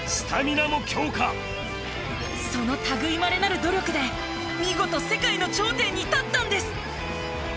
その類いまれなる努力で見事世界の頂点に立ったんです。